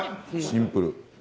シンプル。